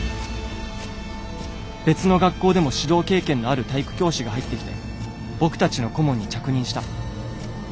別の学校でも指導経験のある体育教師が入ってきて僕たちの顧問に着任した。